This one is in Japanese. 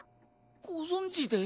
ご存じで？